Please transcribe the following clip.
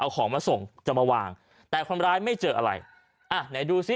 เอาของมาส่งจะมาวางแต่คนร้ายไม่เจออะไรอ่ะไหนดูซิ